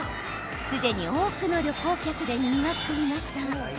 すでに多くの旅行客でにぎわっていました。